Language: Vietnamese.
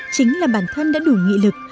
chính là bản thân đã đủ nghị lực